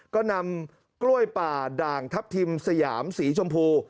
ก็นำกล้วยป่าด่างทัพทิมสยามสีชมพู